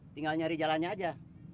tinggal nyari jalannya aja